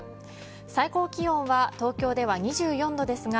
最高気温は東京では２４度ですが